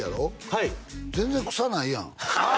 はい全然臭ないやんああ